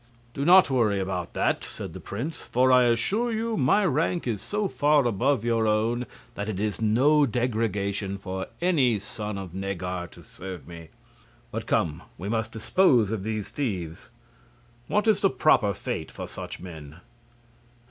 "Do not worry about that," said the prince; "for I assure you my rank is so far above your own that it is no degradation for the son of Neggar to serve me. But come, we must dispose of these thieves. What is the proper fate for such men?"